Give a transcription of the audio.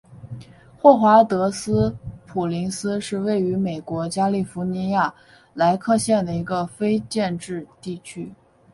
霍华德斯普林斯是位于美国加利福尼亚州莱克县的一个非建制地区。